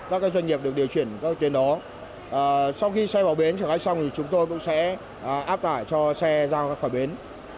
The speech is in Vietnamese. các doanh nghiệp được điều chuyển các tuyến đó sau khi xe vào bến triển khai xong thì chúng tôi cũng sẽ áp tải cho xe ra khỏi bến